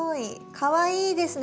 かわいいですね。